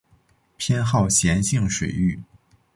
偏好咸性水域。